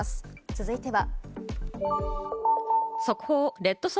続いては。